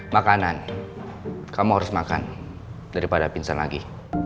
makanan kamu harus makan daripada pinsar lagi